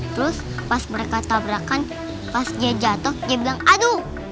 terus pas mereka tabrakan pas dia jatuh dia bilang aduh